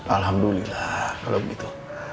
alhamdulillah kalau begitu